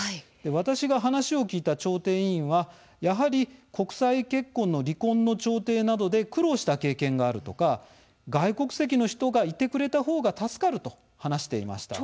私が話を聞いた調停委員はやはり国際結婚の離婚の調停などで苦労した経験があるとか外国籍の人がいてくれた方が助かると話していました。